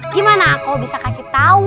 gimana aku bisa kasih tau